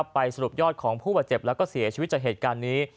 ไปสรุปยอดของผู้บาดเจ็บแล้วก็เสียชีวิตจากเหตุการณ์นี้